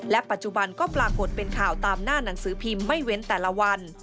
ปัจจุบันก็ปรากฏเป็นข่าวตามหน้าหนังสือพิมพ์ไม่เว้นแต่ละวัน